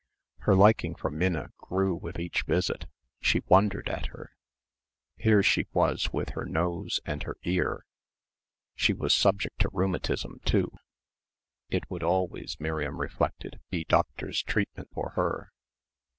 Her liking for Minna grew with each visit. She wondered at her. Here she was with her nose and her ear she was subject to rheumatism too it would always, Miriam reflected, be doctor's treatment for her.